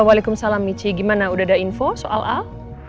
waalaikumsalam michi gimana udah ada info soal al